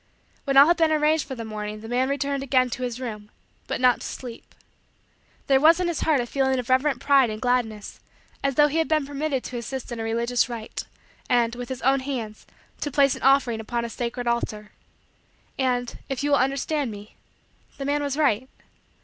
When all had been arranged for the morning, the man returned again to his room; but not to sleep. There was in his heart a feeling of reverent pride and gladness, as though he had been permitted to assist in a religious rite, and, with his own hands, to place an offering upon a sacred altar. And, if you will understand me, the man was right.